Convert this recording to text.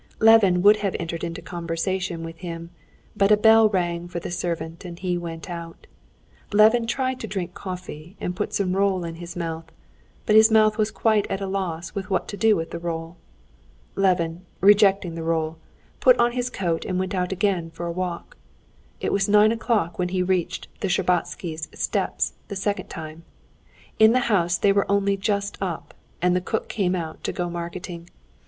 Levin would have entered into conversation with him, but a bell rang for the servant, and he went out. Levin tried to drink coffee and put some roll in his mouth, but his mouth was quite at a loss what to do with the roll. Levin, rejecting the roll, put on his coat and went out again for a walk. It was nine o'clock when he reached the Shtcherbatskys' steps the second time. In the house they were only just up, and the cook came out to go marketing.